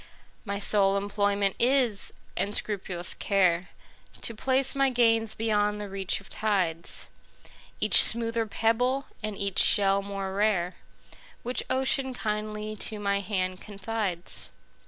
My sole employment is, and scrupulous care, To place my gains beyond the reach of tides,—Each smoother pebble, and each shell more rare, Which Ocean kindly to my hand confides.